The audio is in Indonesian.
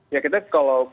ya kita kalau